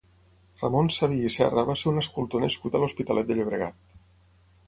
Ramon Sabí i Serra va ser un escultor nascut a l'Hospitalet de Llobregat.